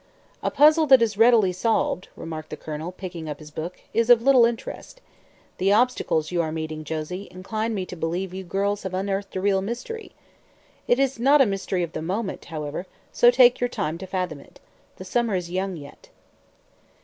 "A puzzle that is readily solved," remarked the Colonel, picking up his book, "is of little interest. The obstacles you are meeting, Josie, incline me to believe you girls have unearthed a real mystery. It is not a mystery of the moment, however, so take your time to fathom it. The summer is young yet."